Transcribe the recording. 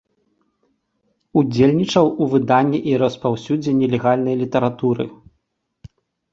Удзельнічаў у выданні і распаўсюдзе нелегальнай літаратуры.